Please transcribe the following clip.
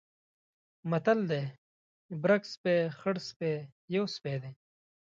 متل دی: برګ سپی، خړسپی یو سپی دی.